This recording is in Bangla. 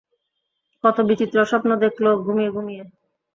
কত বিচিত্র স্বপ্ন দেখল ঘুমিয়ে-ঘূমিয়ে।